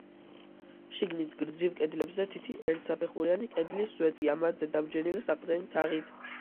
შიგნით გრძივ კედლებზე თითი ერთსაფეხურიანი კედლის სვეტია, მათზე დაბჯენილი საყრდენი თაღით.